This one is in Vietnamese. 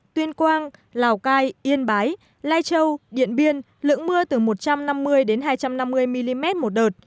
tuyên quang lào cai yên bái lai châu điện biên lượng mưa từ một trăm năm mươi hai trăm năm mươi mm một đợt